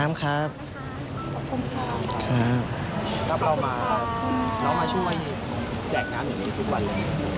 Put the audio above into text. ถ้าเรามาช่วยแจกงานอยู่นี้ทุกวัน